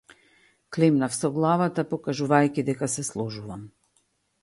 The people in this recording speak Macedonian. Климнав со главата, покажувајќи дека се сложувам.